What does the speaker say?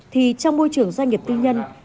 thì trong môi trường doanh nghiệp tư nhân